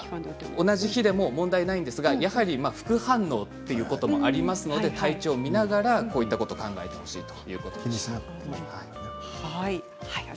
同じ日に打っても問題ないんですが副反応ということもありますので体調を見ながらこういったことを考えてほしいということです。